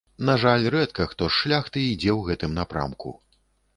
На жаль, рэдка хто з шляхты ідзе ў гэтым напрамку.